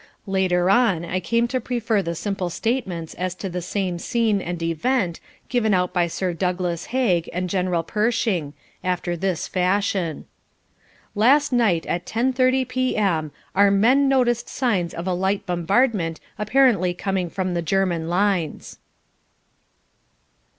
Later on I came to prefer the simple statements as to the same scene and event, given out by Sir Douglas Haig and General Pershing after this fashion: "Last night at ten thirty P.M. our men noticed signs of a light bombardment apparently coming from the German lines."